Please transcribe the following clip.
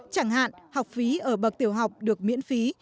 chẳng hạn học phí ở bậc tiểu học được miễn phí